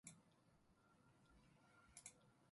セロリ